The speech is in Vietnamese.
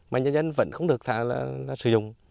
mà nhân dân vẫn không được sử dụng